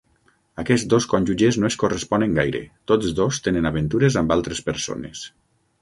Aquests dos cònjuges no es corresponen gaire: tots dos tenen aventures amb altres persones.